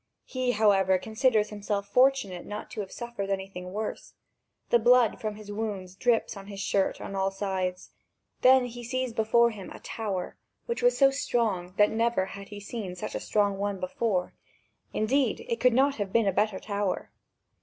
He, however, considers himself fortunate not to have suffered anything worse. The blood from his wounds drips on his shirt on all sides. Then he sees before him a tower, which was so strong that never had he seen such a strong one before: indeed, it could not have been a better tower.